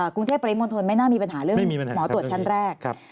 กรุงเทพปริมณฑลไม่น่ามีปัญหาเรื่องหมอตรวจชั้นแรก